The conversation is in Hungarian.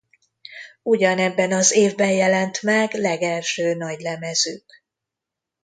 Ugyanebben az évben jelent meg legelső nagylemezük.